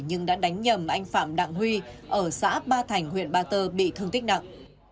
nhưng đã đánh nhầm anh phạm đặng huy ở xã ba thành huyện ba tơ bị thương tích nặng